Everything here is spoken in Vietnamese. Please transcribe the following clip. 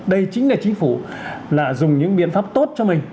đây chính là chính phủ là dùng những biện pháp tốt cho mình